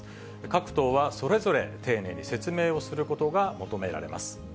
各党はそれぞれ丁寧に説明をすることが求められます。